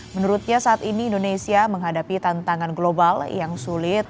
menurutnya saat ini indonesia menghadapi tantangan global yang sulit